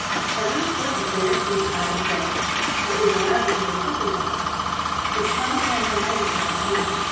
Helen put her bare feet out of bed, but was allowed to put her slippers on. The chums were in their night apparel only.